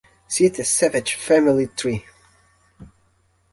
See the Savage Family Tree.